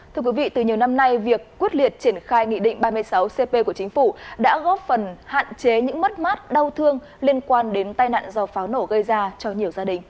thưa quý vị từ nhiều năm nay việc quyết liệt triển khai nghị định ba mươi sáu cp của chính phủ đã góp phần hạn chế những mất mát đau thương liên quan đến tai nạn do pháo nổ gây ra cho nhiều gia đình